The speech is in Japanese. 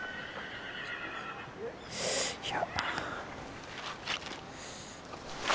いや。